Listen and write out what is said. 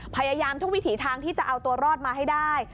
พยายามทุกวิถีทางที่จะเอาตัวรอดมาให้ได้